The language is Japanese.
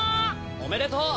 おめでとう！